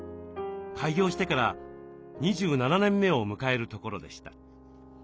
開業してから２７年目を迎えるところでした。